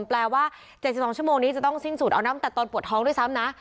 แปลว่า๗๒ชั่วโมงนี้จะต้องสิ้นสุดเอาน้ำแต่ตอนปวดท้องด้วยซ้ำนะ